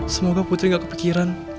semoga putri gak kepikiran